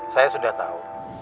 saya sudah tahu